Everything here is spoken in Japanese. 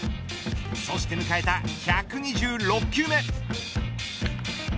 そして迎えた１２６球目。